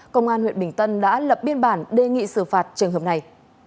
công an huyện bình tân đã lập biên bản đề nghị xử phạt trường hợp này